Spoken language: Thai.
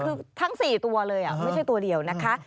คือทั้ง๔ตัวเลยไม่ใช่ตัวเดียวนะคะ